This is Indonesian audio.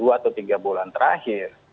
dua atau tiga bulan terakhir